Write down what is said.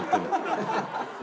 ハハハハ！